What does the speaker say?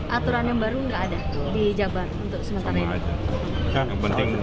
aturan yang baru nggak ada di jabar untuk sementara ini